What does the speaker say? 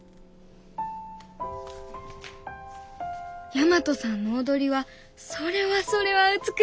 大和さんの踊りはそれはそれは美しかった。